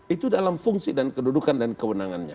itu dalam fungsi dan kedudukan dan kewenangannya